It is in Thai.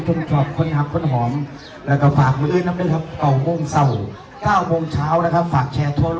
พระเจ้าพระเจ้าพระเจ้าพระเจ้าพระเจ้าพระเจ้าพระเจ้าพระเจ้าพระเจ้า